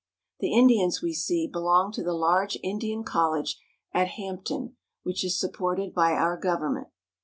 The Indians we see belong to the large Indian college at Hampton which is supported by our government.